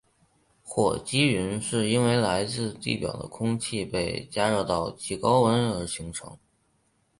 火积云是因为来自地表的空气被加热到极高温而形成。